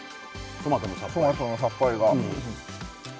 トマトのさっぱりが。